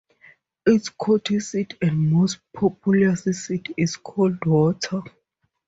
Its county seat and most populous city is Coldwater.